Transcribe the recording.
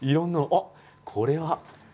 あっこれは！